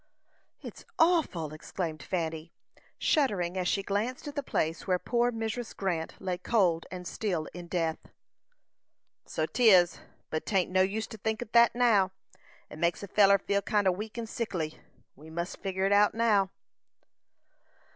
"It's awful!" exclaimed Fanny, shuddering, as she glanced at the place where poor Mrs. Grant lay cold and still in death. "So 'tis, but 'tain't no use to think on't now; it makes a feller feel kind o' weak and sickly. We must figur' it out now."